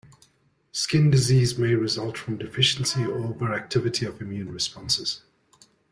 Skin disease may result from deficiency or overactivity of immune responses.